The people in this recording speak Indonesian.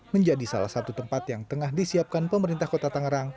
menjadi salah satu tempat yang tengah disiapkan pemerintah kota tangerang